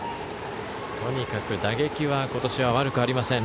とにかく打撃は今年は悪くありません。